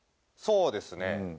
そうですね。